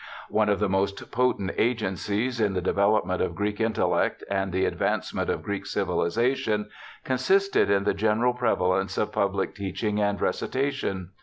One of the most potent agencies in the development of Greek intellect, and the ad vancement of Greek civilization, consisted in the general pre valence of public teaching and recitation.